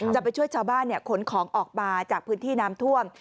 จะไปช่วยชาวบ้านขนของออกมาจากพื้นที่น้ำท่วม